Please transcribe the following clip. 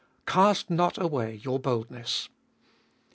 Cast not away your boldness.